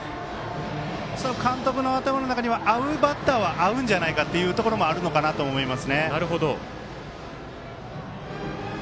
監督の頭の中には合うバッターは合うんじゃないかというのがあると思います。